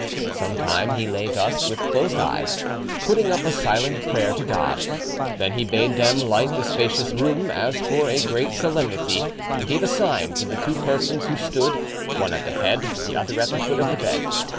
Some time he lay thus with closed eyes, putting up a silent prayer to God; then he bade them light the spacious room as for a great solemnity, and gave a sign to the two persons who stood, one at the head, the other at the foot of the bed.